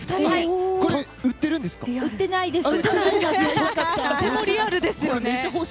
売ってないです。